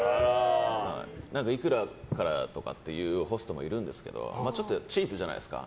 いくらからっていうホストもいるんですけどちょっとチープじゃないですか。